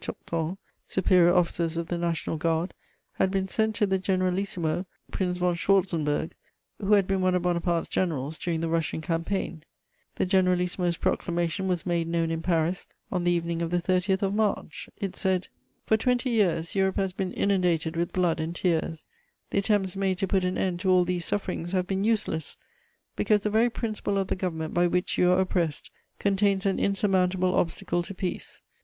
Tourton, superior officers of the National Guard, had been sent to the Generalissimo, Prince von Schwarzenberg, who had been one of Bonaparte's generals during the Russian campaign. The Generalissimo's proclamation was made known in Paris on the evening of the 30th of March. It said: "For twenty years Europe has been inundated with blood and tears: the attempts made to put an end to all these sufferings have been useless, because the very principle of the government by which you are oppressed contains an insurmountable obstacle to peace.